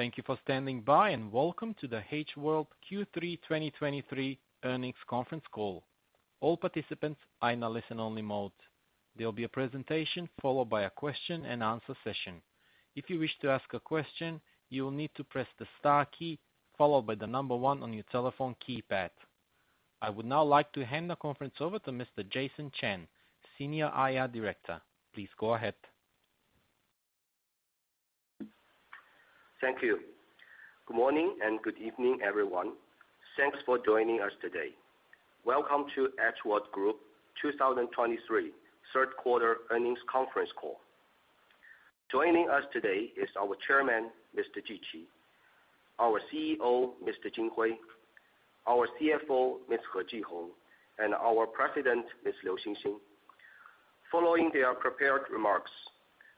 Thank you for standing by, and welcome to the H World Q3 2023 Earnings Conference Call. All participants are in a listen-only mode. There will be a presentation followed by a question-and-answer session. If you wish to ask a question, you will need to press the star key followed by the number one on your telephone keypad. I would now like to hand the conference over to Mr. Jason Chen, Senior IR Director. Please go ahead. Thank you. Good morning, and good evening, everyone. Thanks for joining us today. Welcome to H World Group 2023 third quarter earnings conference call. Joining us today is our chairman, Mr. Ji Qi, our CEO, Mr. Hui Jin, our CFO, Ms. Jihong He, and our president, Ms. Xinxin Liu. Following their prepared remarks,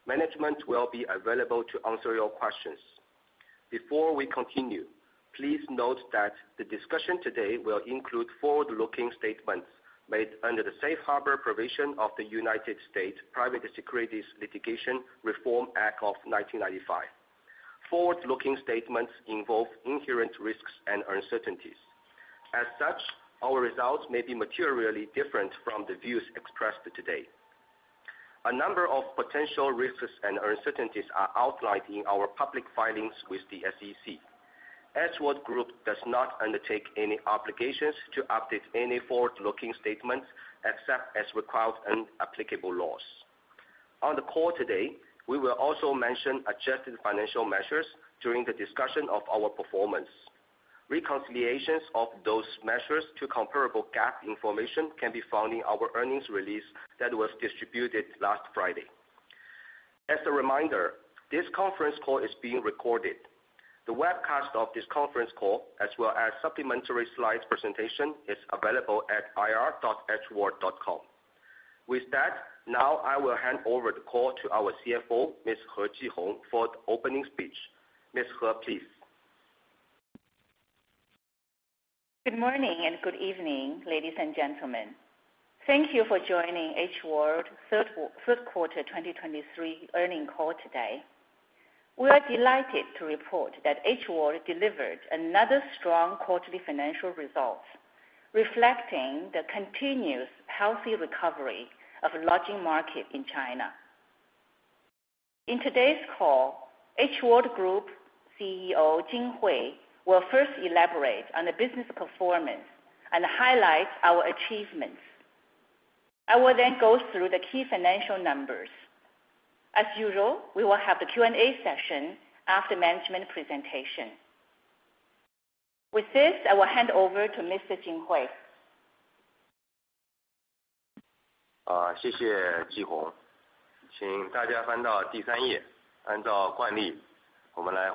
management will be available to answer your questions. Before we continue, please note that the discussion today will include forward-looking statements made under the Safe Harbor provision of the United States Private Securities Litigation Reform Act of 1995. Forward-looking statements involve inherent risks and uncertainties. As such, our results may be materially different from the views expressed today. A number of potential risks and uncertainties are outlined in our public filings with the SEC. H World Group does not undertake any obligations to update any forward-looking statements, except as required in applicable laws. On the call today, we will also mention adjusted financial measures during the discussion of our performance. Reconciliations of those measures to comparable GAAP information can be found in our earnings release that was distributed last Friday. As a reminder, this conference call is being recorded. The webcast of this conference call, as well as supplementary slides presentation, is available at ir.hworld.com. With that, now I will hand over the call to our CFO, Ms. Jihong He, for the opening speech. Ms. He, please. Good morning, and good evening, ladies and gentlemen. Thank you for joining H World third quarter 2023 earnings call today. We are delighted to report that H World delivered another strong quarterly financial results, reflecting the continuous healthy recovery of lodging market in China. In today's call, H World Group CEO, Jin Hui, will first elaborate on the business performance and highlight our achievements. I will then go through the key financial numbers. As usual, we will have the Q&A session after management presentation. With this, I will hand over to Mr. Jin Hui. Thank you, Jihong. Please turn to page three. As usual, let's go through Legacy-Huazhu's RevPAR recovery in the recent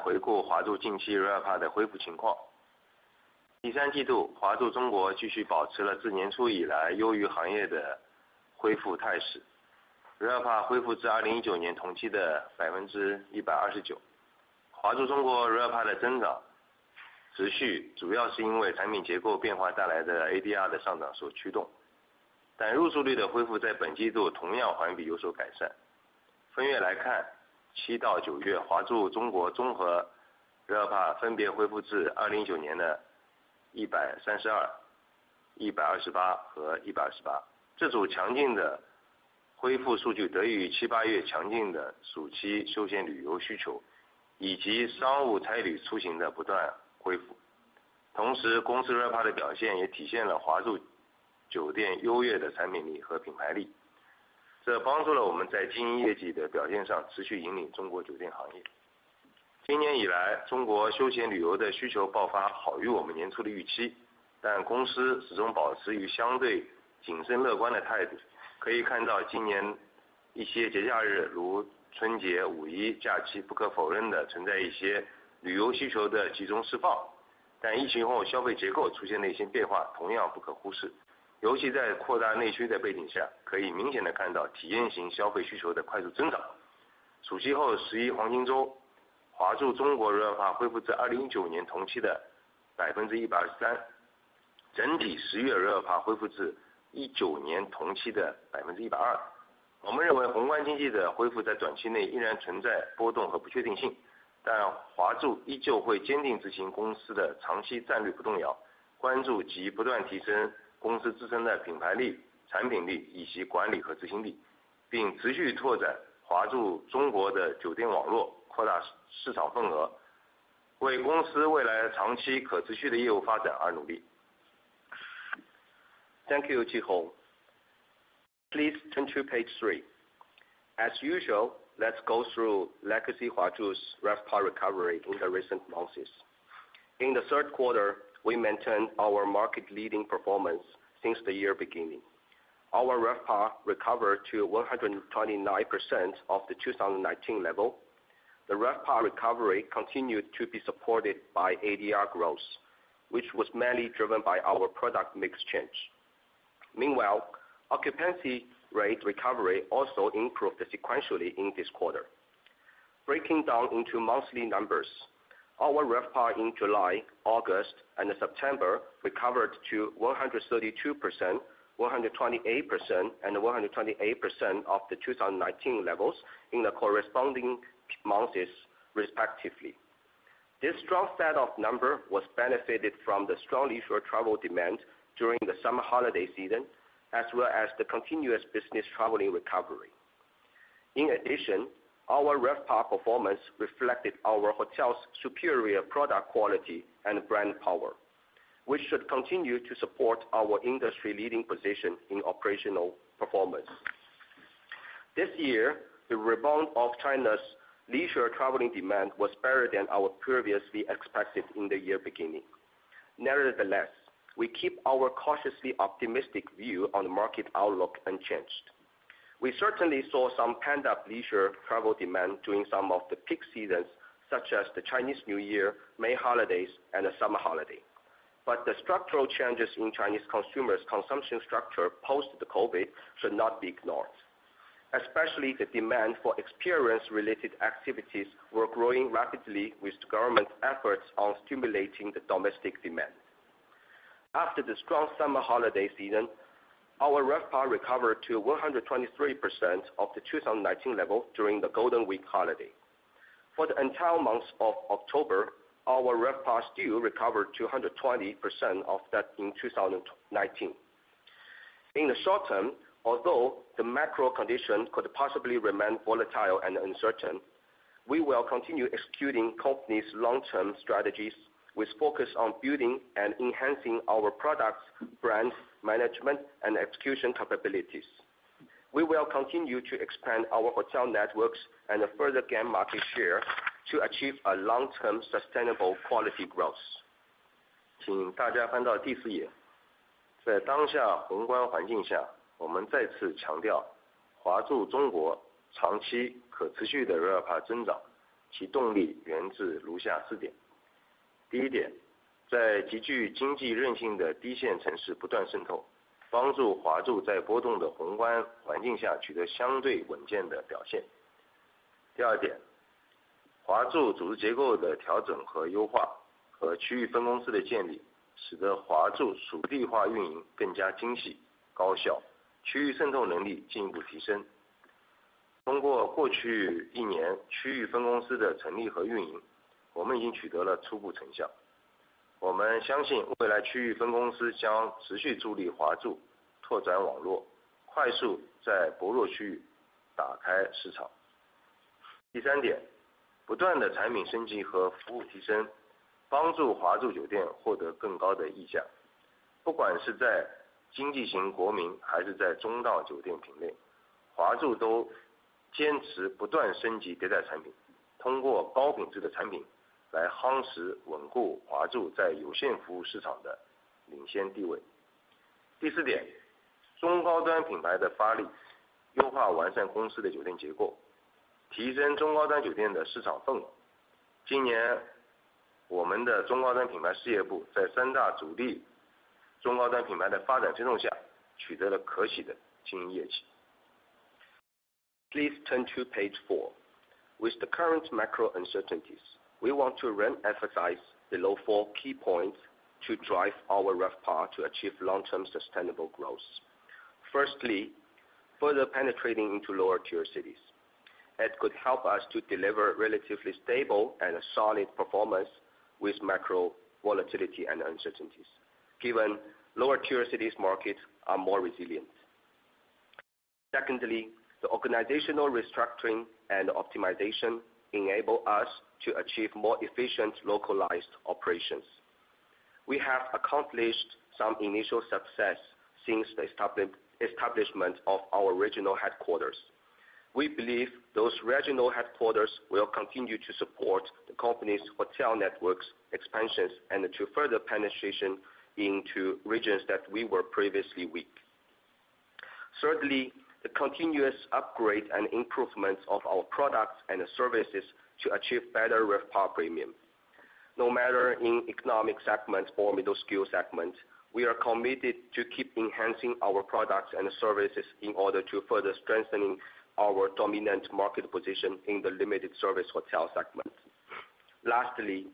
months. In the third quarter, we maintained our market-leading performance since the year beginning. Our RevPAR recovered to 129% of the 2019 level. The RevPAR recovery continued to be supported by ADR growth, which was mainly driven by our product mix change. Meanwhile, occupancy rate recovery also improved sequentially in this quarter. Breaking down into monthly numbers, our RevPAR in July, August, and September recovered to 132%, 128%, and 128% of the 2019 levels in the corresponding months, respectively. This strong set of numbers was benefited from the strong leisure travel demand during the summer holiday season, as well as the continuous business traveling recovery. In addition, our RevPAR performance reflected our hotel's superior product quality and brand power, which should continue to support our industry-leading position in operational performance. This year, the rebound of China's leisure traveling demand was better than our previously expected in the year beginning. Nevertheless, we keep our cautiously optimistic view on the market outlook unchanged. We certainly saw some pent-up leisure travel demand during some of the peak seasons, such as the Chinese New Year, May holidays, and the summer holiday. But the structural changes in Chinese consumers' consumption structure post the COVID should not be ignored, especially the demand for experience-related activities were growing rapidly, with government efforts on stimulating the domestic demand. After the strong summer holiday season, our RevPAR recovered to 123% of the 2019 level during the Golden Week holiday. For the entire month of October, our RevPAR still recovered to 120% of that in 2019. In the short term, although the macro condition could possibly remain volatile and uncertain, we will continue executing company's long-term strategies with focus on building and enhancing our products, brands, management, and execution capabilities. We will continue to expand our hotel networks and further gain market share to achieve a long-term, sustainable, quality growth. we want to re-emphasize the below four key points to drive our RevPAR to achieve long-term sustainable growth. Firstly, further penetrating into lower tier cities. It could help us to deliver relatively stable and solid performance with macro volatility and uncertainties, given lower tier cities markets are more resilient. Secondly, the organizational restructuring and optimization enable us to achieve more efficient, localized operations. We have accomplished some initial success since the establishment of our regional headquarters. We believe those regional headquarters will continue to support the company's hotel networks, expansions and to further penetration into regions that we were previously weak. Thirdly, the continuous upgrade and improvements of our products and services to achieve better RevPAR premium. No matter in economy segments or mid-scale segments, we are committed to keep enhancing our products and services in order to further strengthening our dominant market position in the limited service hotel segment. Lastly,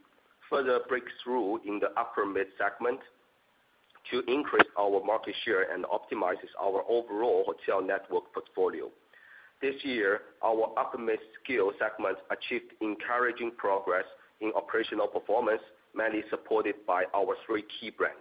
further breakthrough in the upper mid-scale segment to increase our market share and optimizes our overall hotel network portfolio. This year, our upper mid-scale segment achieved encouraging progress in operational performance, mainly supported by our three key brands.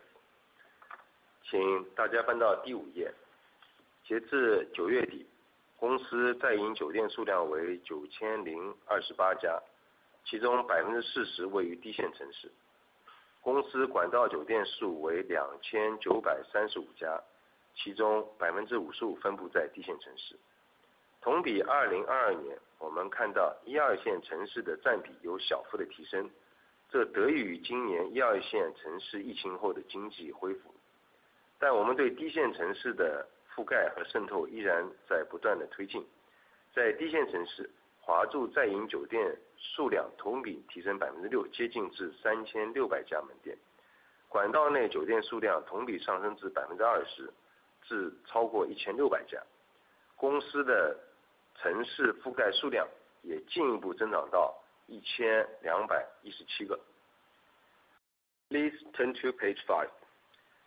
Please turn to page 5. As of the end of September, the company operating hotel number is 9,028, of which 40% are located in lower-tier cities, the company pipeline hotel number is 2,935, of which 55% are distributed in lower-tier cities. Compared to 2022, we see the proportion of tier 1 and 2 cities has a slight increase, this benefits from this year tier 1 and 2 cities economic recovery after the epidemic, but our coverage and penetration of lower-tier cities are still continuously advancing. In lower-tier cities, Huazhu operating hotel number year-over-year increases 6%, approaching 3,600 stores, pipeline hotel number year-over-year rises to 20%, to over 1,600, the company's city coverage number also further grows to 1,217.... Please turn to page five.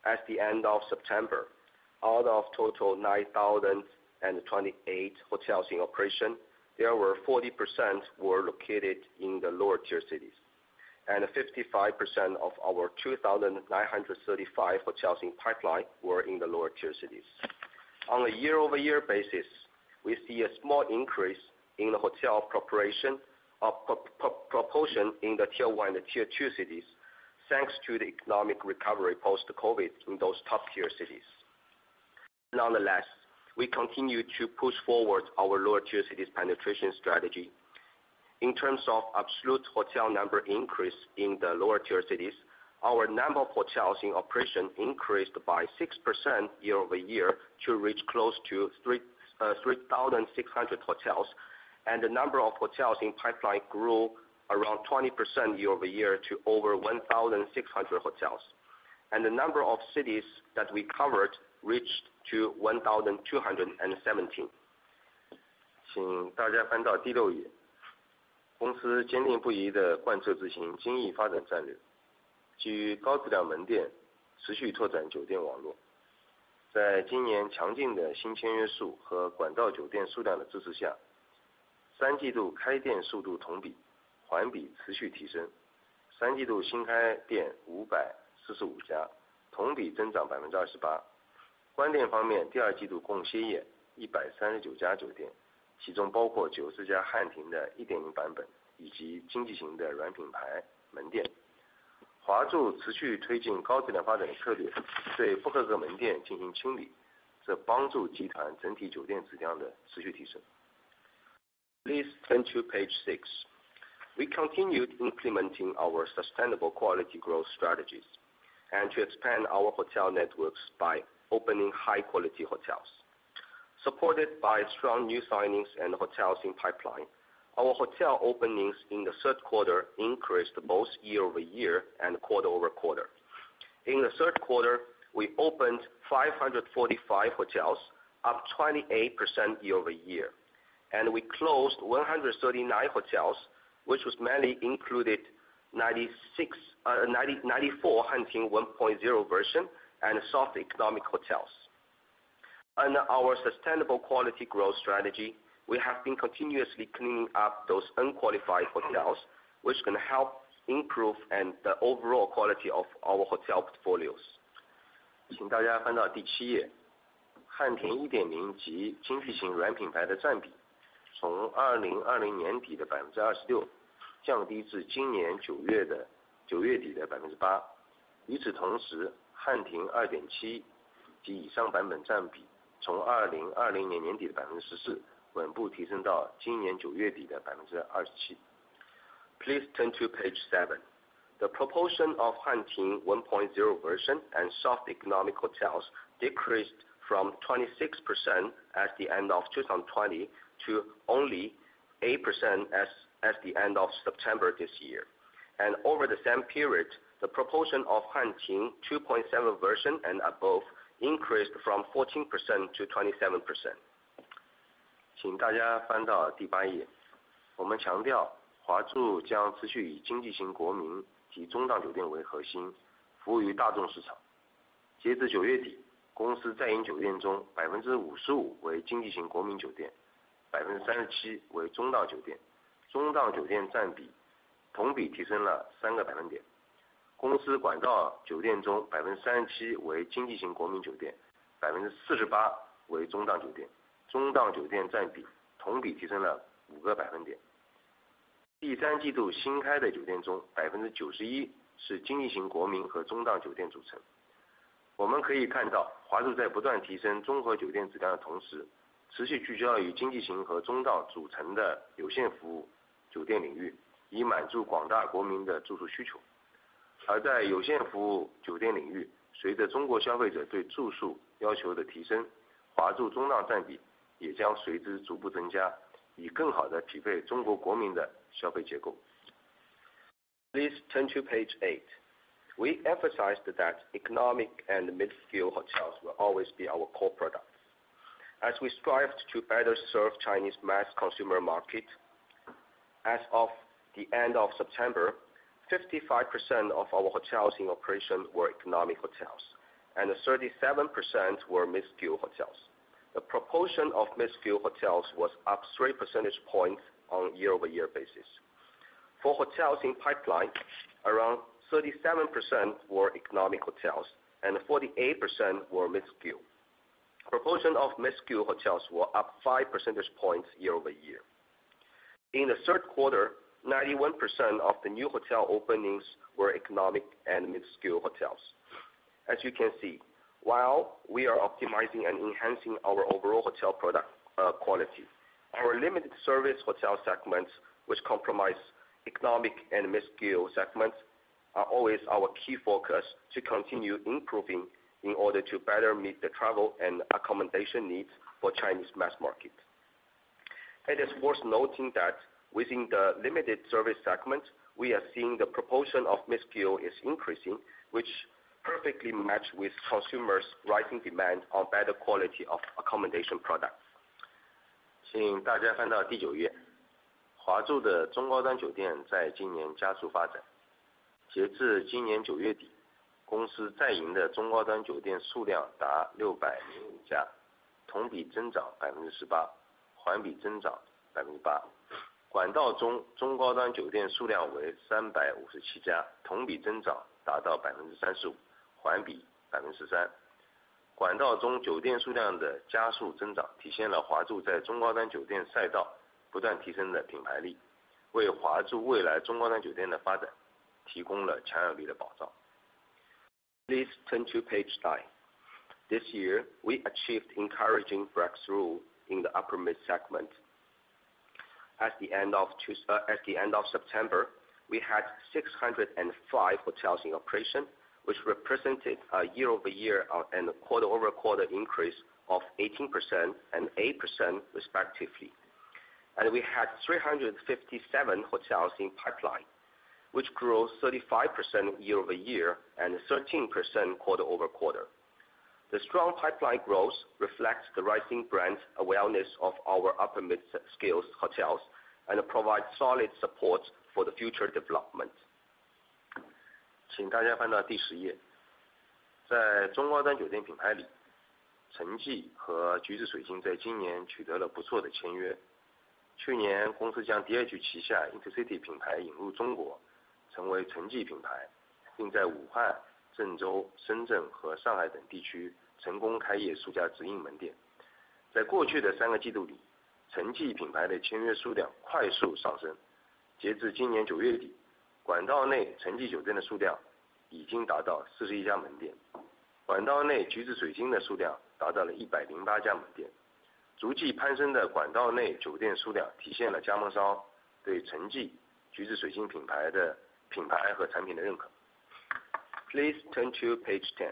At the end of September, out of total 9,028 hotels in operation, 40% were located in the lower tier cities, and 55% of our 2,935 hotels in pipeline were in the lower tier cities. On a year-over-year basis, we see a small increase in the proportion in the tier one and tier two cities, thanks to the economic recovery post-COVID in those top tier cities. Nonetheless, we continue to push forward our lower tier cities penetration strategy. In terms of absolute hotel number increase in the lower-tier cities, our number of hotels in operation increased by 6% year-over-year to reach close to 3,600 hotels, and the number of hotels in pipeline grew around 20% year-over-year to over 1,600 hotels. The number of cities that we covered reached to 1,217. Please turn to page six. We continued implementing our sustainable quality growth strategies, and to expand our hotel networks by opening high-quality hotels. Supported by strong new signings and hotels in pipeline, our hotel openings in the third quarter increased both year-over-year and quarter-over-quarter. In the third quarter, we opened 545 hotels, up 28% year-over-year, and we closed 139 hotels, which was mainly included 96, 94 Hanting 1.0 version and soft economic hotels. Under our sustainable quality growth strategy, we have been continuously cleaning up those unqualified hotels, which can help improve and the overall quality of our hotel portfolios. Please turn to page seven. The proportion of Hanting 1.0 version and soft economic hotels decreased from 26% at the end of 2020, to only 8% as the end of September this year. Over the same period, the proportion of Hanting 2.7 version and above increased from 14% to 27%. Please turn to page eight. We emphasized that economic and mid-scale hotels will always be our core products, as we strive to better serve Chinese mass consumer market. As of the end of September, 55% of our hotels in operation were economic hotels, and 37% were mid-scale hotels. The proportion of mid-scale hotels was up three percentage points on a year-over-year basis. For hotels in pipeline, around 37% were economic hotels and 48% were mid-scale. Proportion of mid-scale hotels were up five percentage points year-over-year. In the third quarter, 91% of the new hotel openings were economic and mid-scale hotels. As you can see, while we are optimizing and enhancing our overall hotel product, quality, our limited service hotel segments, which comprise economic and mid-scale segments, are always our key focus to continue improving in order to better meet the travel and accommodation needs for Chinese mass market. It is worth noting that within the limited service segment, we are seeing the proportion of mid-scale is increasing, which perfectly match with consumers' rising demand on better quality of accommodation product. Pleas turn to page nine. This year, we achieved encouraging breakthrough in the upper mid segment. At the end of September, we had 605 hotels in operation, which represented a year-over-year and a quarter-over-quarter increase of 18% and 8% respectively. And we had 357 hotels in pipeline, which grew 35% year-over-year and 13% quarter-over-quarter. The strong pipeline growth reflects the rising brand awareness of our upper mid-scale hotels and provides solid support for the future development. Please turn to page 10.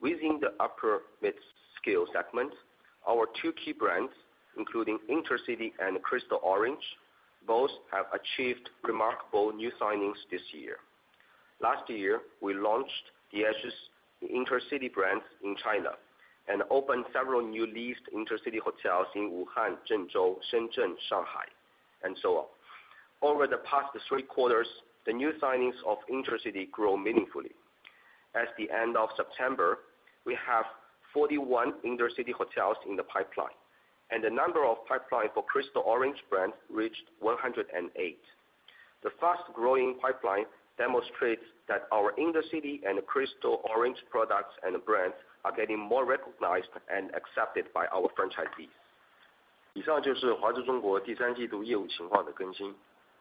Within the upper mid-scale segment, our two key brands, including InterCity and Crystal Orange, both have achieved remarkable new signings this year. Last year, we launched the DH's InterCity brands in China, and opened several new leased InterCity hotels in Wuhan, Zhengzhou, Shenzhen, Shanghai, and so on. Over the past three quarters, the new signings of InterCity grow meaningfully. At the end of September, we have 41 IntercityHotel hotels in the pipeline, and the number of pipeline for Crystal Orange brand reached 108. The fast-growing pipeline demonstrates that our IntercityHotel and Crystal Orange products and brands are getting more recognized and accepted by our franchisees.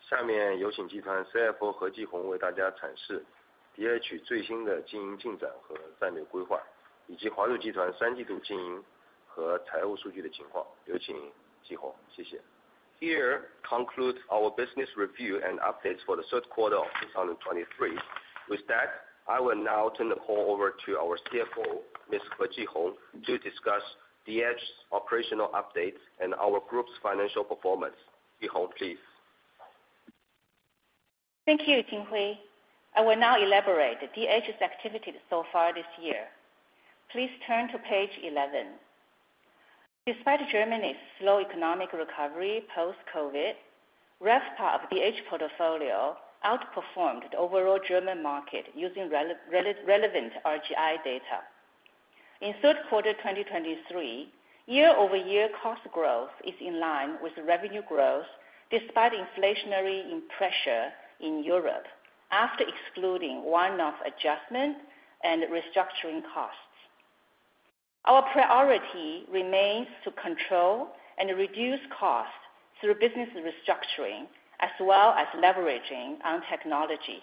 以上就是华住中国第三季度业务情况的更新。下面有请集团CFO何继红为大家阐释DH最新的经营进展和战略规划，以及华住集团三季度经营和财务数据的情况。有请继红，谢谢。Here concludes our business review and updates for the third quarter of 2023. With that, I will now turn the call over to our CFO, Ms. Jihong He, to discuss DH's operational updates and our group's financial performance. Jihong, please. Thank you, Jin Hui. I will now elaborate DH's activities so far this year. Please turn to page 11. Despite Germany's slow economic recovery post-COVID, RevPAR of DH portfolio outperformed the overall German market using relevant RGI data. In third quarter 2023, year-over-year cost growth is in line with revenue growth, despite inflationary pressure in Europe, after excluding one-off adjustment and restructuring costs. Our priority remains to control and reduce costs through business restructuring, as well as leveraging on technology.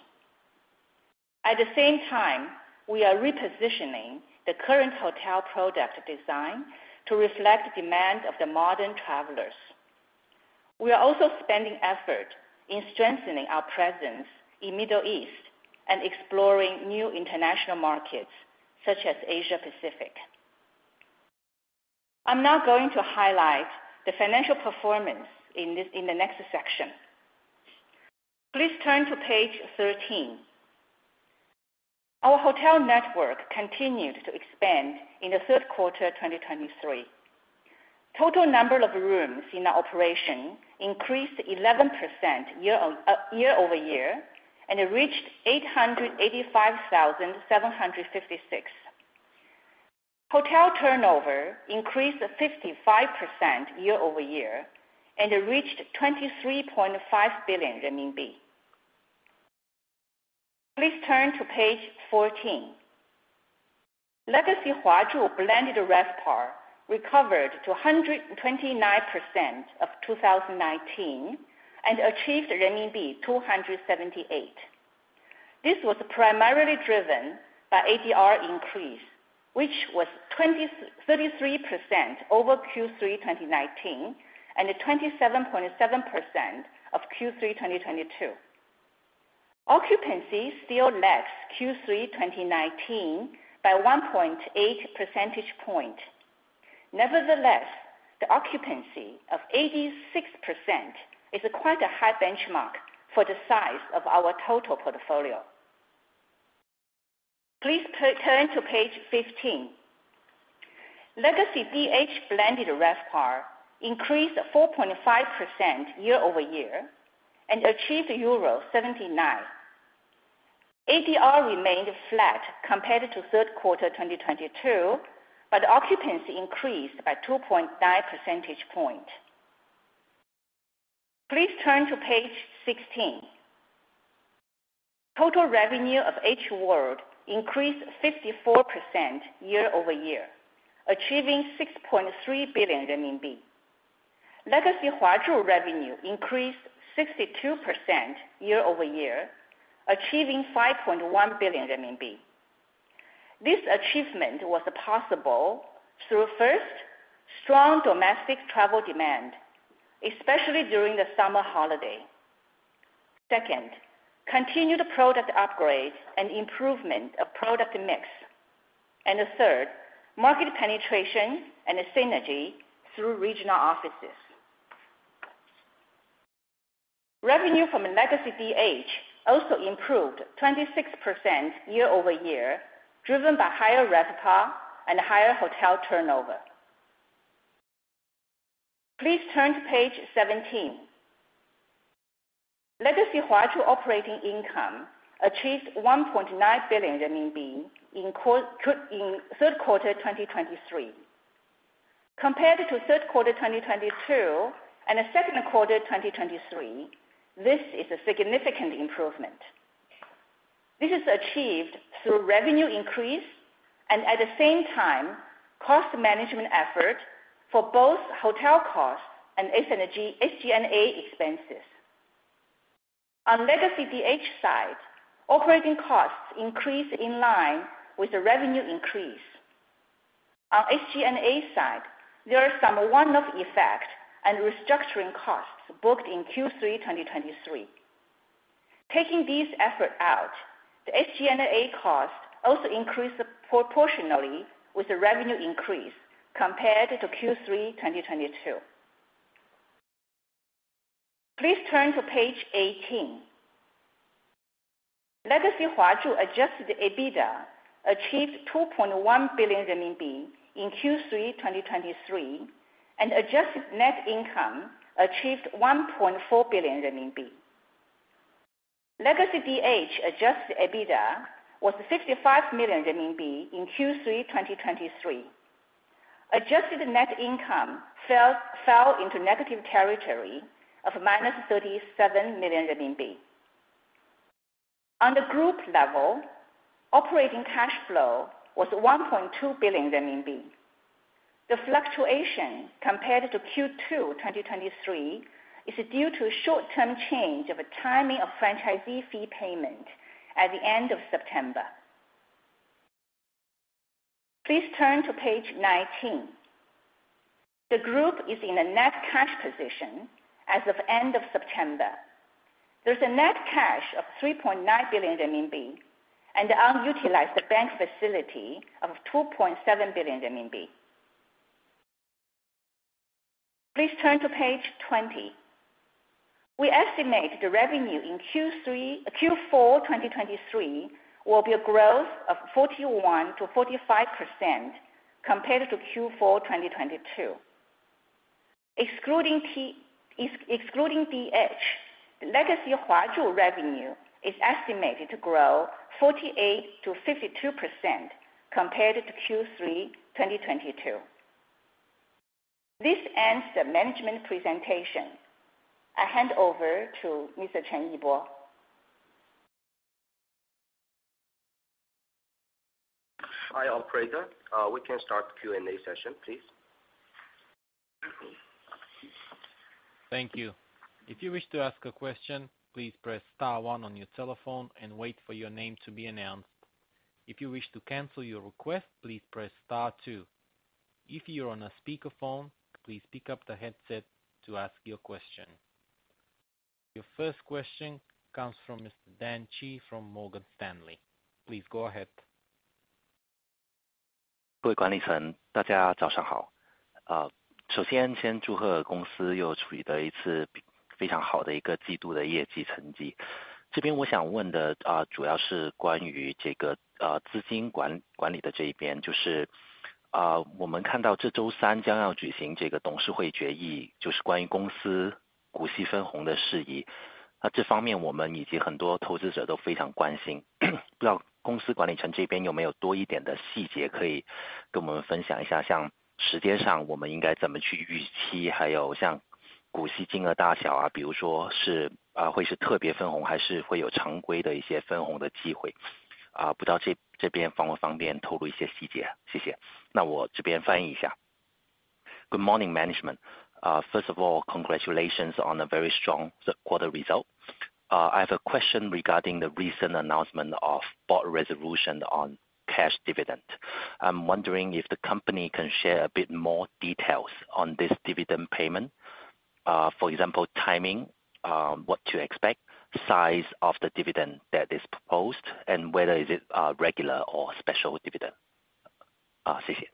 At the same time, we are repositioning the current hotel product design to reflect the demand of the modern travelers. We are also spending effort in strengthening our presence in Middle East and exploring new international markets, such as Asia Pacific. I'm now going to highlight the financial performance in the next section. Please turn to page 13. Our hotel network continued to expand in the third quarter 2023. Total number of rooms in our operation increased 11% year-over-year, and it reached 885,756. Hotel turnover increased 55% year-over-year, and it reached 23.5 billion renminbi. Please turn to page 14. Legacy-Huazhu blended RevPAR recovered to 129% of 2019 and achieved renminbi 278. This was primarily driven by ADR increase, which was thirty-three percent over Q3 2019 and 27.7% of Q3 2022. Occupancy still lags Q3 2019 by 1.8 percentage points. Nevertheless, the occupancy of 86% is quite a high benchmark for the size of our total portfolio. Please turn to page 15. Legacy-DH blended RevPAR increased 4.5% year-over-year and achieved euro 79. ADR remained flat compared to third quarter 2022, but occupancy increased by 2.9 percentage point. Please turn to page 16. Total revenue of H World increased 54% year-over-year, achieving CNY 6.3 billion. Legacy-Huazhu revenue increased 62% year-over-year, achieving 5.1 billion RMB. This achievement was possible through, first, strong domestic travel demand, especially during the summer holiday. Second, continued product upgrades and improvement of product mix. And the third, market penetration and synergy through regional offices. Revenue from a Legacy-DH also improved 26% year-over-year, driven by higher RevPAR and higher hotel turnover. Please turn to page 17. Legacy-Huazhu operating income achieved 1.9 billion renminbi in third quarter 2023. Compared to third quarter 2022 and the second quarter 2023, this is a significant improvement. This is achieved through revenue increase and at the same time, cost management effort for both hotel costs and S&G, SG&A expenses. On Legacy DH side, operating costs increased in line with the revenue increase. On SG&A side, there are some one-off effect and restructuring costs booked in Q3 2023. Taking this effort out, the SG&A cost also increased proportionally with the revenue increase compared to Q3 2022. Please turn to page 18. Legacy Huazhu adjusted EBITDA achieved 2.1 billion RMB in Q3 2023, and adjusted net income achieved 1.4 billion RMB. Legacy DH adjusted EBITDA was 55 million RMB in Q3 2023. Adjusted net income fell into negative territory of minus 37 million renminbi. On the group level, operating cash flow was 1.2 billion RMB. The fluctuation compared to Q2 2023 is due to a short-term change of timing of franchisee fee payment at the end of September. Please turn to page 19. The group is in a net cash position as of end of September. There's a net cash of 3.9 billion RMB and unutilized bank facility of 2.7 billion RMB. Please turn to page 20. We estimate the revenue in Q4 2023 will be a growth of 41%-45% compared to Q4 2022. Excluding DH, Legacy-Huazhu revenue is estimated to grow 48%-52% compared to Q3 2022. This ends the management presentation. I hand over to Mr. Chen Yibo. Hi, operator. We can start the Q&A session, please. Thank you. If you wish to ask a question, please press star one on your telephone and wait for your name to be announced. If you wish to cancel your request, please press star two. If you're on a speakerphone, please pick up the headset to ask your question. Your first question comes from Mr. Dan Xu from Morgan Stanley. Please go ahead. Good morning, management. First of all, congratulations on a very strong quarter result. I have a question regarding the recent announcement of board resolution on cash dividend. I'm wondering if the company can share a bit more details on this dividend payment. For example, timing, what to expect, size of the dividend that is proposed, and whether is it a regular or special dividend? Thank you.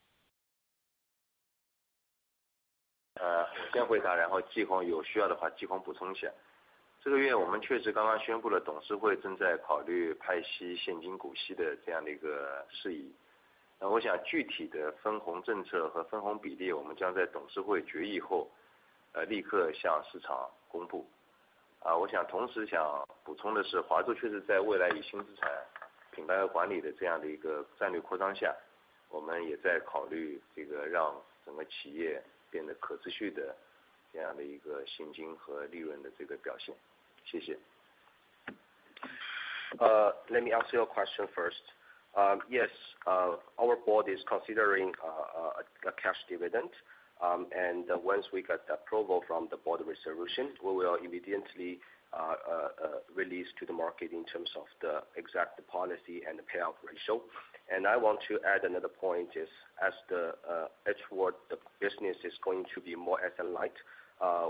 Let me answer your question first. Yes, our board is considering a cash dividend, and once we get the approval from the board resolution, we will immediately release to the market in terms of the exact policy and the payout ratio. And I want to add another point is, as what the business is going to be more asset-light,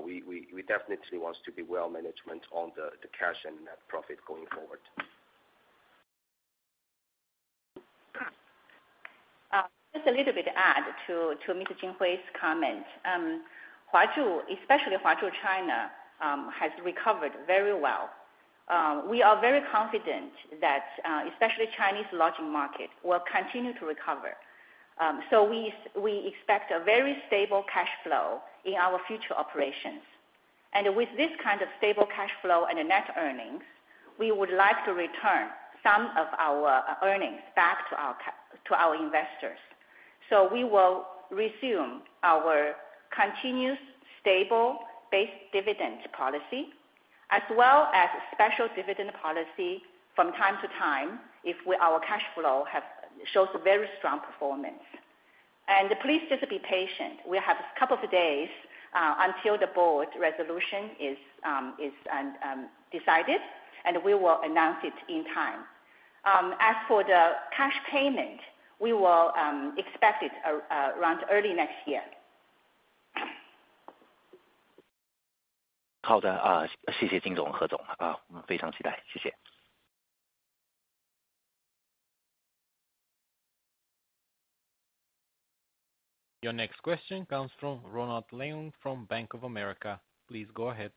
we definitely wants to be well management on the cash and net profit going forward. Just a little bit to add to Mr. Hui Jin's comment. Huazhu, especially Huazhu China, has recovered very well. We are very confident that, especially Chinese lodging market, will continue to recover. So we expect a very stable cash flow in our future operations. And with this kind of stable cash flow and net earnings, we would like to return some of our earnings back to our investors. So we will resume our continuous stable base dividend policy, as well as special dividend policy from time to time, if our cash flow shows a very strong performance. And please just be patient. We have a couple of days until the board resolution is decided, and we will announce it in time. As for the cash payment, we will expect it around early next year. 好的，啊，谢谢金总，何总，啊，我们非常期待，谢谢。Your next question comes from Ronald Leung from Bank of America. Please go ahead.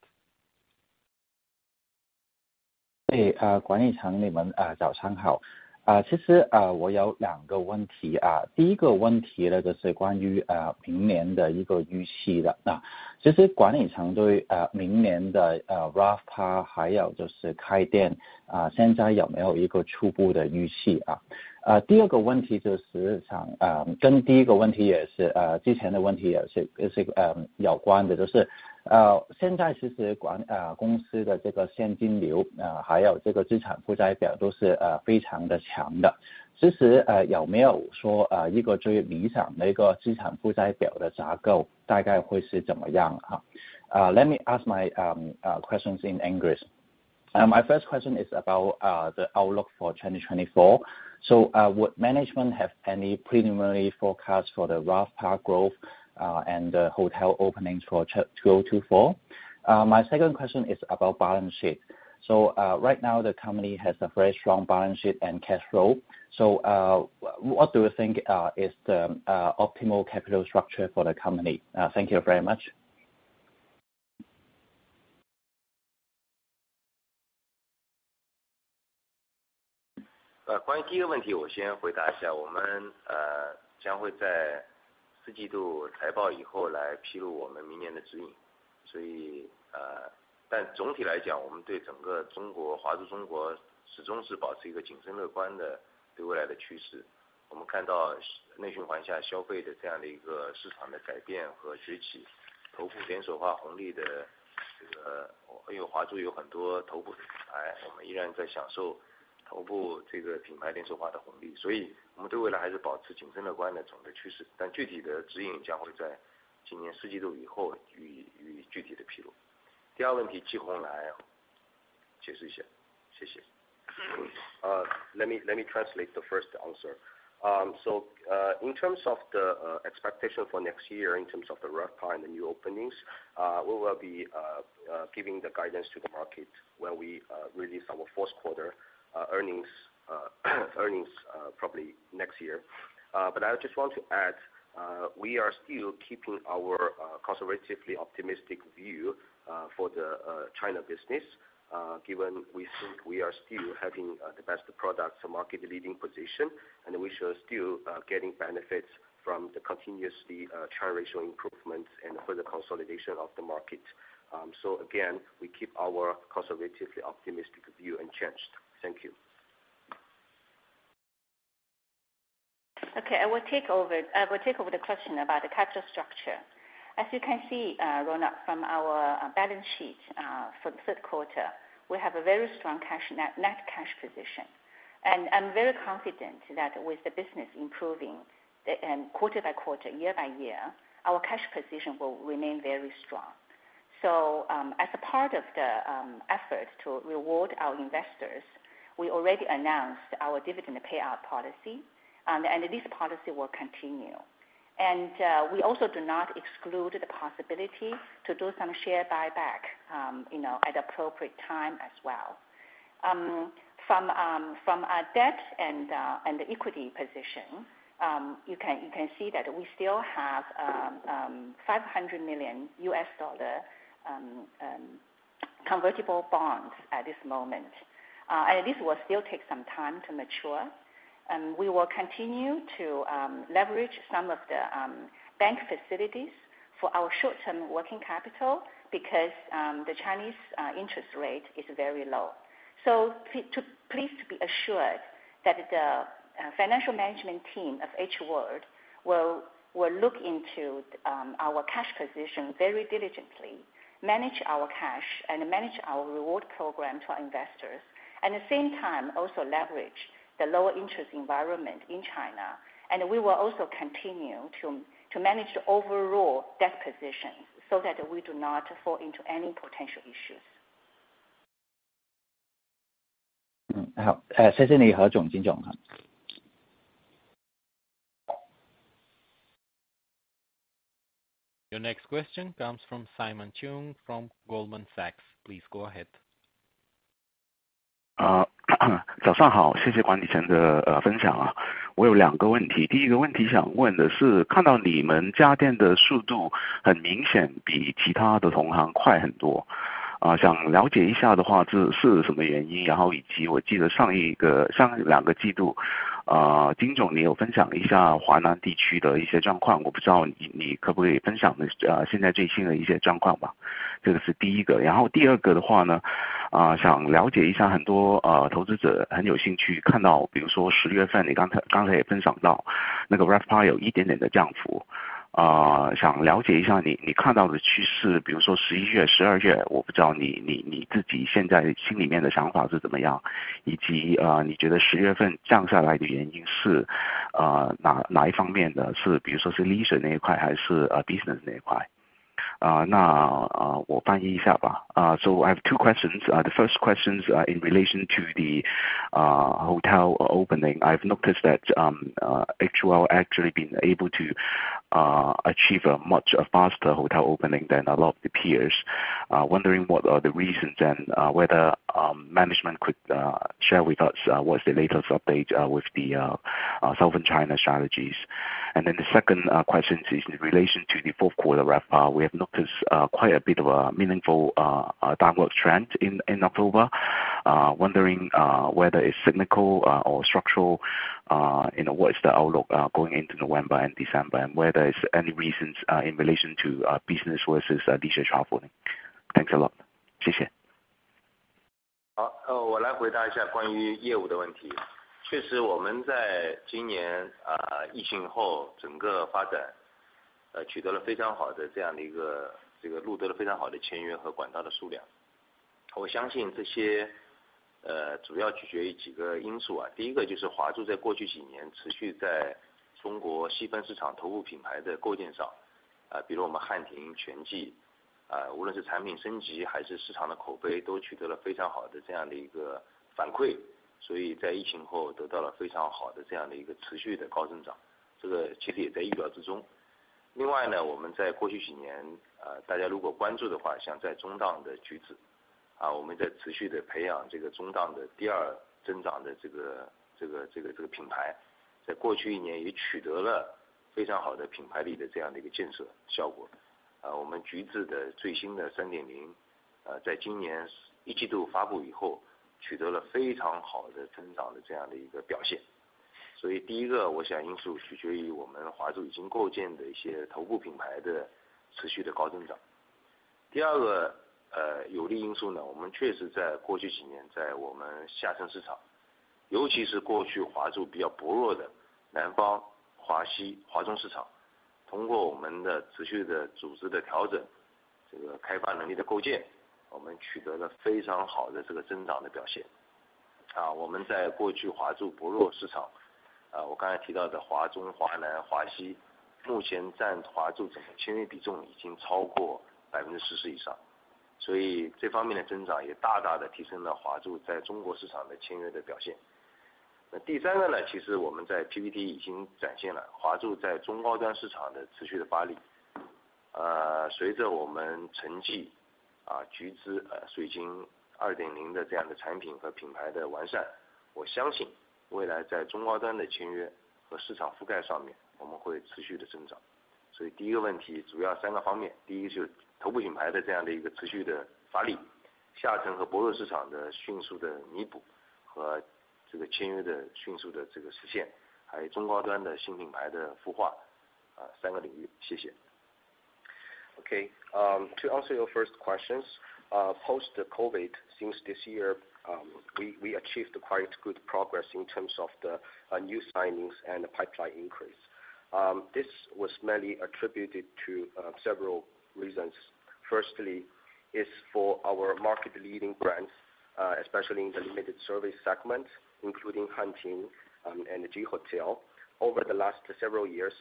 管理层，你们早上好！其实，我有两个问题。第一个问题呢，就是关于，明年的一个预期的。其实管理层对，明年的，RevPAR，还有就是开店，现在有没有一个初步的预期？第二个问题就是想，跟第一个问题也是，之前的问题也是，也是，有关的，就是，现在其实公司这个现金流，还有这个资产负债表都是，非常的强。其实，有没有说，一个最理想的一个资产负债表的架构，大概会是怎么样的？Let me ask my questions in English. My first question is about the outlook for 2024. So, would management have any preliminary forecast for the RevPAR growth and the hotel openings for 2024? My second question is about balance sheet. So, right now, the company has a very strong balance sheet and cash flow. So, what do you think is the optimal capital structure for the company? Thank you very much. Let me translate the first answer. So, in terms of the expectation for next year, in terms of the RevPAR and the new openings, we will be giving the guidance to the market when we release our fourth quarter earnings, probably next year. But I just want to add, we are still keeping our conservatively optimistic view for the China business, given we think we are still having the best products and market leading position, and we are still getting benefits from the continuously China ratio improvement and further consolidation of the market. So again, we keep our conservatively optimistic view unchanged. Thank you. Okay, I will take over the question about the capital structure. As you can see, Ronald, from our balance sheet, for the third quarter, we have a very strong net cash position. I'm very confident that with the business improving, quarter by quarter, year by year, our cash position will remain very strong. So, as a part of the effort to reward our investors, we already announced our dividend payout policy, and this policy will continue. And we also do not exclude the possibility to do some share buyback, you know, at appropriate time as well. From our debt and equity position, you can see that we still have $500 million convertible bonds at this moment, and this will still take some time to mature, and we will continue to leverage some of the bank facilities for our short term working capital, because the Chinese interest rate is very low. So please to be assured that the financial management team of H World will look into our cash position very diligently, manage our cash and manage our reward program to our investors, at the same time also leverage the lower interest environment in China, and we will also continue to manage the overall debt position, so that we do not fall into any potential issues. 好，谢谢你，何总，金总。Your next question comes from Simon Cheung from Goldman Sachs. Please go ahead. Good morning, thank you for the management's sharing! I have two questions. The first question I want to ask is, I see that your speed of adding stores is obviously much faster than other peers. What is the reason? And I remember that in the previous two quarters, Mr. Jin, you shared some situations in the South China region. I don't know if you can share the latest situations now. That's the first one. Then for the second one, I want to understand. Many investors are very interested in seeing, for example, October. You just shared that the RevPAR has a slight decline. I want to understand the trend you see, for example, November, December. I don't know what your own thoughts are now, and what you think the reason for the decline in October is, which aspect, for example, is it the leisure side or the business side. Uh, then, let me translate it. Uh, so I have two questions. The first questions are in relation to the hotel opening. I've noticed that H World actually been able to achieve a much faster hotel opening than a lot of the peers. Wondering what are the reasons and whether management could share with us what's the latest update with the Southern China strategies? And then the second question is in relation to the fourth quarter RevPAR, we have noticed quite a bit of a meaningful downward trend in October. Wondering whether it's technical or structural, you know, what is the outlook going into November and December, and whether it's any reasons in relation to business versus leisure traveling. Thanks a lot. 谢 谢. 好，我来回答一下关于业务的问题。确实，我们在今年，疫情后整个发展，取得了非常好的这样的一个路得到了非常好的签约和管道的数量。我相信这些，主要取决于几个因素啊，第一个就是华住在过去几年持续在中国细分市场头部品牌的构建上，啊，比如我们汉庭、全季，呃，无论 Okay, to answer your first questions. Post the COVID, since this year, we, we achieved quite good progress in terms of the new signings and the pipeline increase. This was mainly attributed to several reasons. Firstly, is for our market leading brands, especially in the limited service segment, including Hanting and JI Hotel. Over the last several years,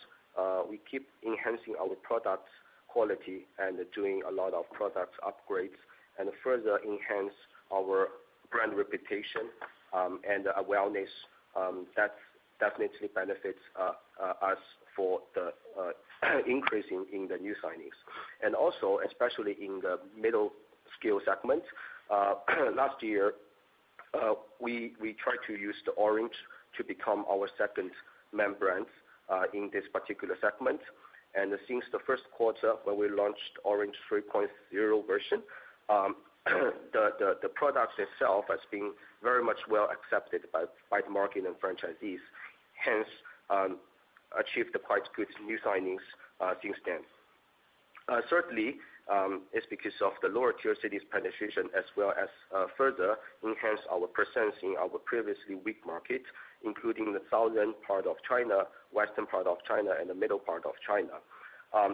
we keep enhancing our product quality and doing a lot of products upgrades and further enhance our brand reputation... And awareness that definitely benefits us for the increase in the new signings. And also, especially in the mid-scale segment, last year we tried to use the Orange to become our second main brand in this particular segment. And since the first quarter, when we launched Orange 3.0 version, the product itself has been very much well accepted by the market and franchisees, hence achieve the quite good new signings since then. Certainly, it's because of the lower-tier cities penetration as well as further enhance our presence in our previously weak market, including the southern part of China, western part of China, and the middle part of China.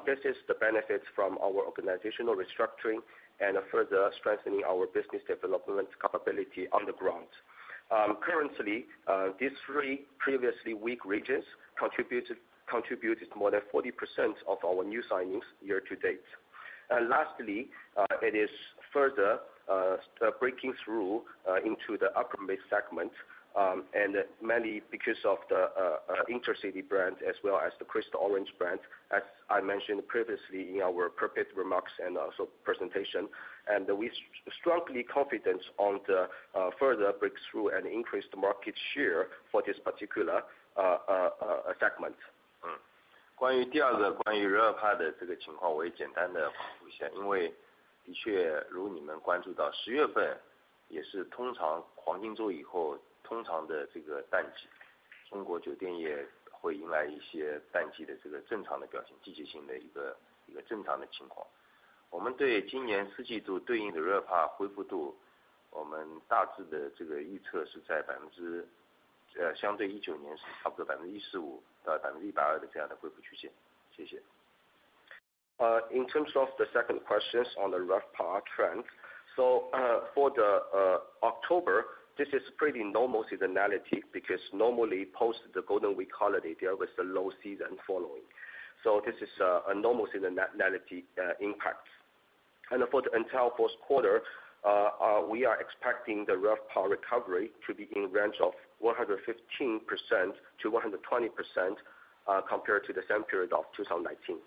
This is the benefits from our organizational restructuring and further strengthening our business development capability on the ground. Currently, these three previously weak regions contributed more than 40% of our new signings year to date. And lastly, it is further breaking through into the upper mid segment, and mainly because of the IntercityHotel brand as well as the Crystal Orange Hotel brand, as I mentioned previously in our prepared remarks and also presentation. And we strongly confident on the further breakthrough and increase the market share for this particular segment. 关于第二个，关于RevPAR的这个情况，我也简单的回复一下，因为的确，如你们关注到十月份，也是通常黄金周以后，通常的这个淡季，中国酒店业会迎来一些淡季的这个正常的表现，季节性的一个正常的情况。我们对今年四季度对应的RevPAR恢复度，我们大致的这个预测是在%... 相对2019年是差不多145%到102%的这样的恢复曲线。谢谢。In terms of the second questions on the RevPAR trend. So, for October, this is pretty normal seasonality, because normally post the Golden Week holiday, there was the low season following. So this is a normal seasonality impact. And for the entire fourth quarter, we are expecting the RevPAR recovery to be in range of 115%-120%, compared to the same period of 2019.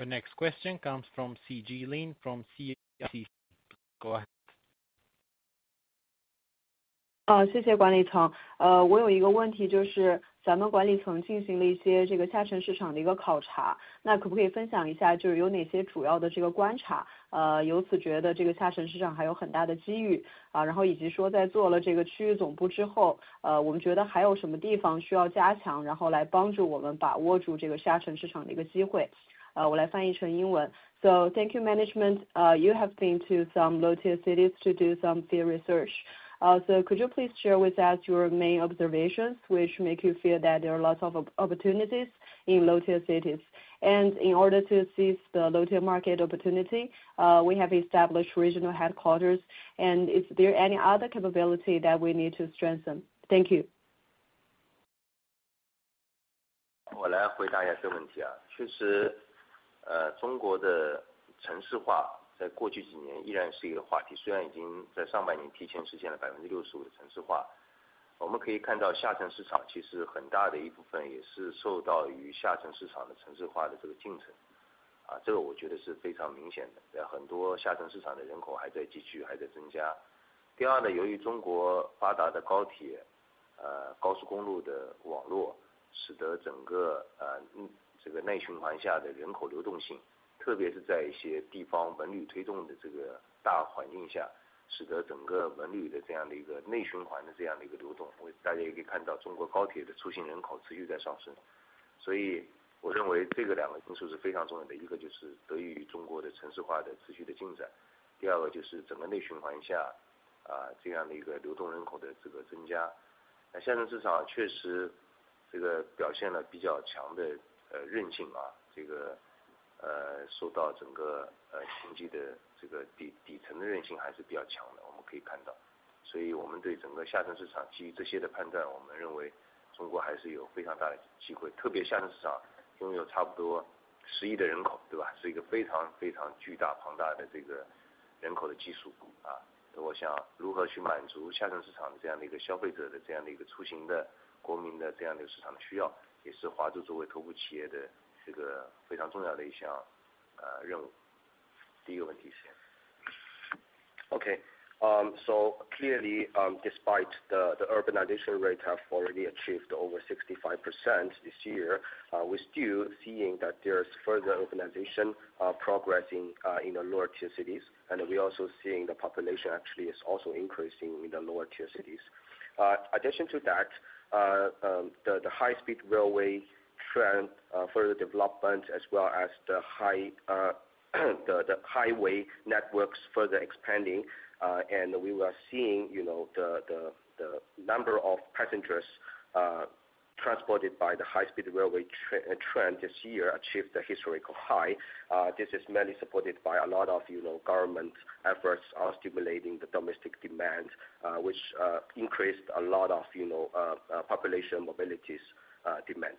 谢谢，谢谢管理层。The next question comes from Sijie Lin from CICC. Go ahead. 哦，谢谢管理层。我有一个问题，就是咱们管理层进行了一些这个下沉市场的一个考察，那可不可以分享一下，就是有哪些主要的这个观察，由此觉得这个下沉市场还有很大的机会，然后以及说在做了这个区域总部之后，我们觉得还有什么地方需要加强，然后来帮助我们把握住这个下沉市场的一个机会。我来翻译成英文。So thank you management. You have been to some lower-tier cities to do some field research. So could you please share with us your main observations, which make you feel that there are lots of opportunities in lower-tier cities? In order to seize the lower-tier market opportunity, we have established regional headquarters. Is there any other capability that we need to strengthen? Thank you. 我来回答一下这个问题。确实，中国的城市化在过去几年仍然是一个话题，虽然已经在上百年提前实现了65%的城市化，我们可以看到下沉市场其实很大一部分也是受益于下沉市场的城市化的这个进程，这个我觉得是非常明显的，在很多下沉市场的人口还在继续，还在增加。第二呢，由于中国发达的高铁，高速公路的网络，使得整个，这个内循环下的人口流动性，特别是在一些地方鼓励推动的这个大环境下，使得整个内循环下的这样的一个流动。大家也可以看到，中国高铁的出行人口持续在上升。所以我认为这两个因素是非常重要的，一个就是得益于中国的城市化的持续的进展，第二个就是整个内循环下，这样的一个流动人口的这个增加。那下沉市场确实这个表现了比较强的，韧性，这个，受到整个，经济的这个底层韧性还是比较强的，我们可以看到。所以我们对整个下沉市场，基于这些的判断，我们认为中国还是有非常大的机会，特别是下沉市场拥有差不多10亿的人口，对吧？是一个非常，非常巨大庞大的这个人口的基数。我想如何去满足下沉市场的这样的一个消费者的，这样的一个出行的国民的这样的市场需要，也是华住作为头部企业的这个非常重要的一项，任务。第一个问题先。Okay. So clearly, despite the urbanization rate have already achieved over 65% this year, we're still seeing that there is further urbanization progressing in the lower tier cities. And we're also seeing the population actually is also increasing in the lower tier cities. In addition to that, the high-speed railway trend further development as well as the highway networks further expanding, and we were seeing, you know, the number of passengers transported by the high-speed railway trend this year achieved a historical high. This is mainly supported by a lot of, you know, government efforts on stimulating the domestic demand, which increased a lot of, you know, population mobilities, demand.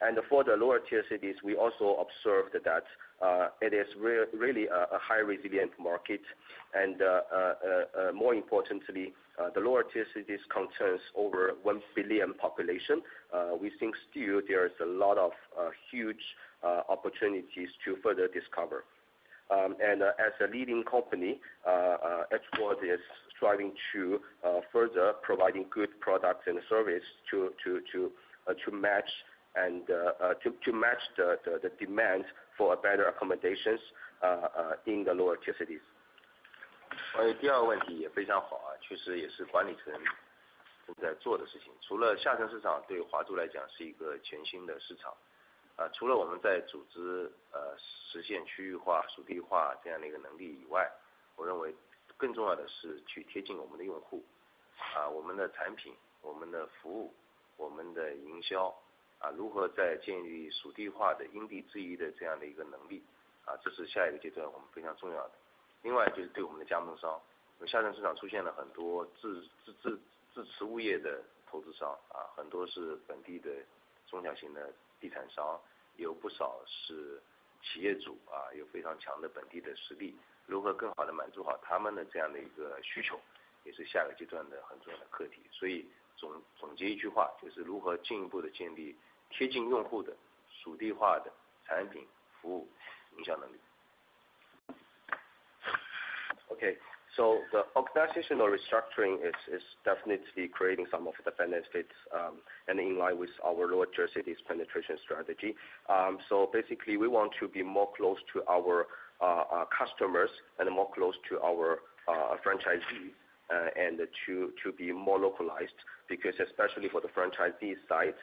And for the lower tier cities, we also observed that it is really a high resilient market. And, more importantly, the lower tier cities concerns over 1 billion population. We think still there is a lot of huge opportunities to further discover. And as a leading company, Huazhu is striving to further providing good products and service to match the demand for a better accommodations in the lower tier cities. 第二个问题也非常好啊，确实也是管理层正在做的事情。除了下沉市场，对华住来讲是一个全新的市场，除了我们在组织，实现区域化，属地化这样的一个能力以外，我认为更重要的是去贴近我们的用户，我们的产品，我们的服务，我们的营销，如何在鉴于属地化的因地制宜的这样的一个能力，这是下一个阶段我们非常重要的。另外就是对我们的加盟商，下沉市场出现了很多自持物业的投资者，很多是本地的中小型地产商，有不少是企业主，有非常强的本地的实力，如何更好地满足他们的这样的一个需求，也是下一个阶段的非常重要的课题。所以总结一句话，就是如何进一步地建立贴近用户的属地化的产品、服务、影响力。Okay, so the organizational restructuring is definitely creating some of the benefits, and in line with our lower tier cities penetration strategy. So basically, we want to be more close to our customers and more close to our franchisees, and to be more localized, because especially for the franchisee side,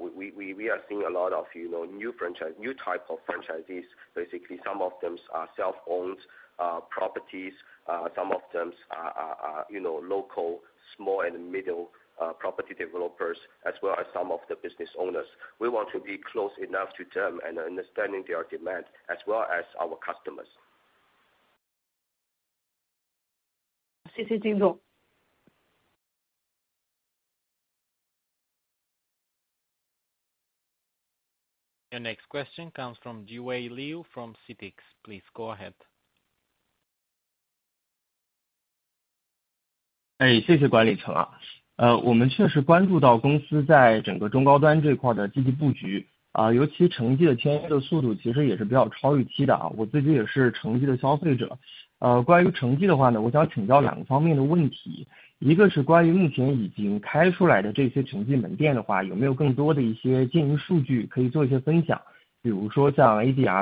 we are seeing a lot of, you know, new franchise, new type of franchisees. Basically, some of them are self-owned properties, some of them are, you know, local, small and middle property developers, as well as some of the business owners. We want to be close enough to them and understanding their demands as well as our customers. 谢谢京东。Your next question comes from Jiwei Liu from CITICS. Please go ahead. 哎，谢谢管理层啊。我们确实关注到公司在整个中高端这块的积极布局，啊，特别是城际的签约的速度其实也是比较超预期的啊，我自己也是城际的消费者。关于城际的话呢，我想请教两个方面的问題，一个是关于目前已经开出来的这些城际门店的话，有没有更多的一些经营数据可以做一些分享，比如说像 ADR,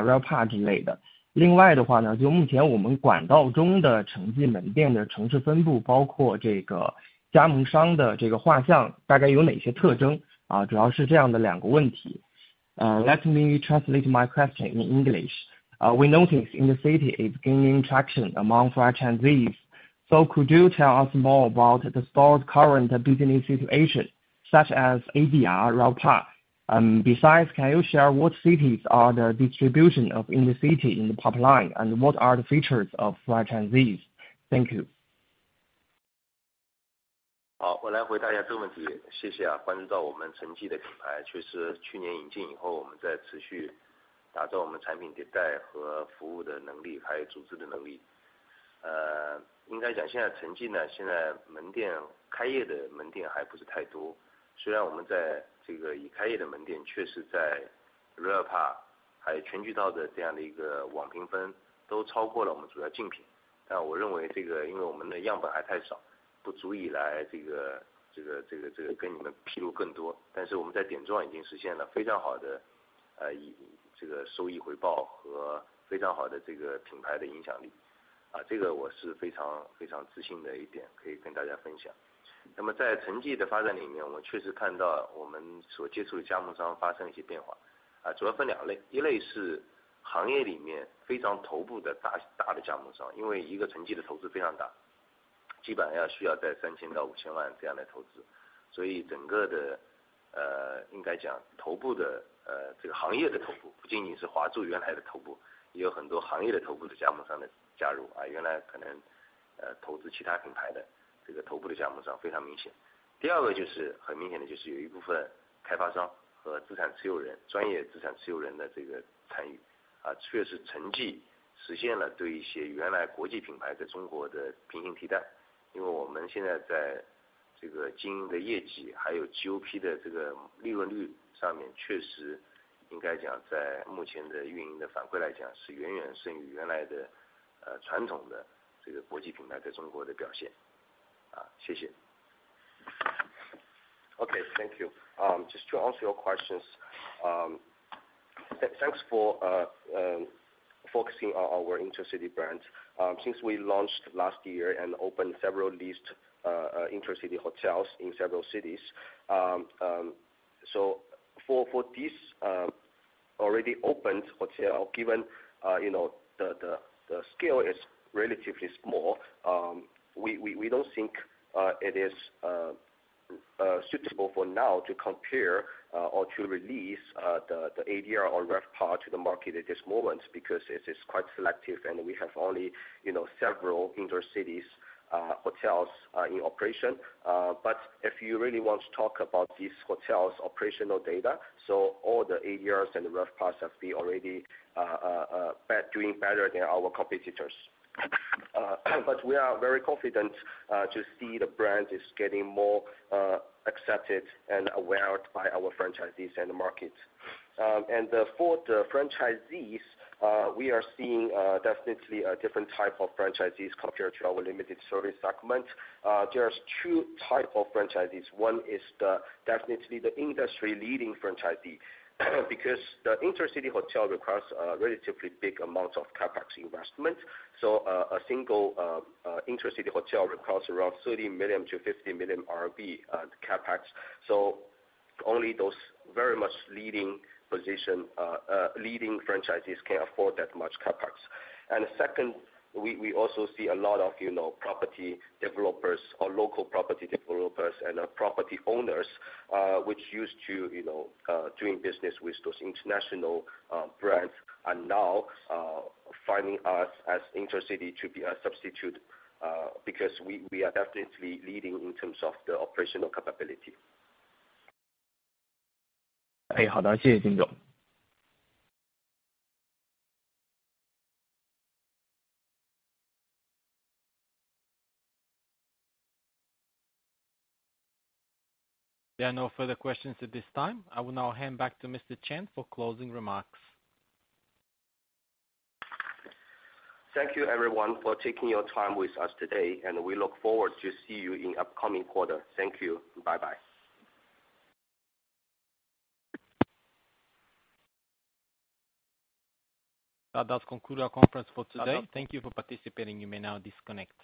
RevPAR 之类 的。另外的话呢，就目前我们管线中的城际门店的城市分布，包括这个加盟商的这个画像大概有哪些特征？啊，主要是这样的两个问题。Let me translate my question in English. We notice the Intercity is gaining traction among franchisees, so could you tell us more about the stores' current business situation, such as ADR, RevPAR? Besides, can you share what cities are the distribution of in the city, in the pipeline? What are the features of franchisees? Thank you. CNY 30 million-CNY 50 million 这样的投资，所以整个的，应该讲头部的，这个行业的头部，不仅仅是华住原来的头部，也有很多行业的头部的加盟商的加入，原来可能，投资其他品牌的这个头部的加盟商非常明显。第二个就是很明显的，就是有一部分开发商和资产持有人，专业资产持有人的这个参与，确实城际实现了对一些原来国际品牌在中国的平行替代，因为我们现在在这个经营的业绩，还有 GOP 的这个利润率上面，确实应该讲在目前的运营的反馈来讲，是远远胜于原来的，传统的这个国际品牌在中国的表现。谢谢。Okay, thank you. Just to answer your questions. Thanks for focusing on our Intercity brand. Since we launched last year and opened several leased, Intercity hotels in several cities. So for this already opened hotel, given you know the scale is relatively small, we don't think it is suitable for now to compare or to release the ADR or RevPAR to the market at this moment, because it is quite selective, and we have only, you know, several InterCities hotels in operation. But if you really want to talk about these hotels' operational data, so all the ADRs and RevPARs have been already doing better than our competitors. But we are very confident to see the brand is getting more accepted and aware by our franchisees and the market. And for the franchisees, we are seeing definitely a different type of franchisees compared to our limited service segment. There are two types of franchisees. One is definitely the industry-leading franchisee, because the Intercity hotel requires a relatively big amount of CapEx investment. So, a single Intercity hotel requires around 30 million-50 million CapEx. So only those very much leading position leading franchisees can afford that much CapEx. And second, we also see a lot of, you know, property developers or local property developers and property owners, which used to, you know, doing business with those international brands, are now finding us as Intercity to be a substitute, because we are definitely leading in terms of the operational capability. Hey, how does she? There are no further questions at this time. I will now hand back to Mr. Chen for closing remarks. Thank you, everyone, for taking your time with us today, and we look forward to see you in upcoming quarter. Thank you. Bye-bye. That does conclude our conference for today. Thank you for participating. You may now disconnect.